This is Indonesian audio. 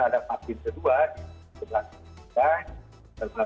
di tanggal dua belas